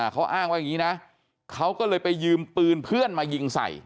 เขาอ้างว่าอย่างนี้นะเขาก็เลยไปยืมปืนเพื่อนมายิงใส่